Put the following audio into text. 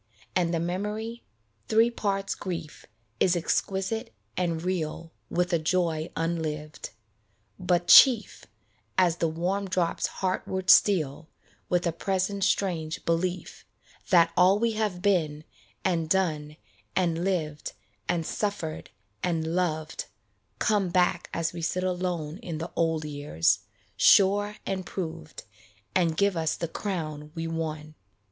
And the memory, three parts grief, Is exquisite and real With a joy unlived ; but chief, 49 LOVE IN AGE As the warm drops heartward steal, With a present strange belief That all we have been and done And lived and suffered and loved Come back as we sit alone In the old years, sure and proved, And give us the crown we won.